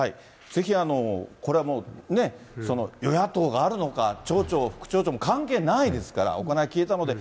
ぜひこれ、与野党があるのか、町長、副町長も関係ないですから、お金は消えたので。